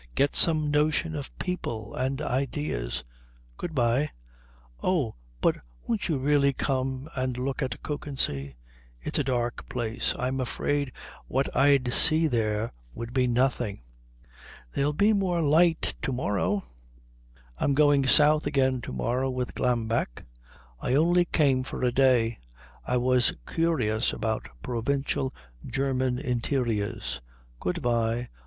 Get some notion of people and ideas. Good bye." "Oh but won't you really come and look at Kökensee?" "It's a dark place. I'm afraid what I'd see there would be nothing." "There'll be more light to morrow " "I'm going south again to morrow with Glambeck. I only came for a day. I was curious about provincial German interiors. Good bye."